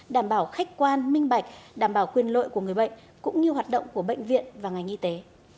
đảm bảo khách quan minh bạch đảm bảo quyền lợi của người bệnh cũng như hoạt động của bệnh viện và ngành y tế